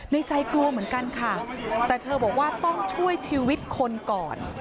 ในใจกลัวเหมือนกันค่ะแต่เธอบอกว่าต้องช่วยชีวิตคนก่อน